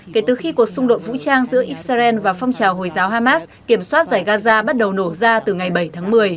kể từ khi cuộc xung đột vũ trang giữa israel và phong trào hồi giáo hamas kiểm soát giải gaza bắt đầu nổ ra từ ngày bảy tháng một mươi